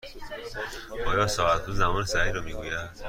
آیا ساعت تو زمان صحیح را می گوید؟